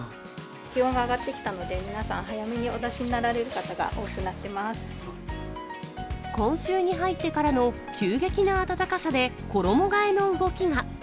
気温が上がってきたので、皆さん、早めにお出しになられる方が多く今週に入ってからの急激な暖かさで、衣がえの動きが。